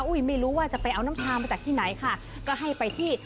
ไม่รู้ว่าจะไปเอาน้ำชามาจากที่ไหนค่ะก็ให้ไปที่